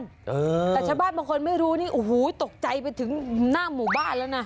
แต่ชาวบ้านบางคนไม่รู้นี่โอ้โหตกใจไปถึงหน้าหมู่บ้านแล้วนะ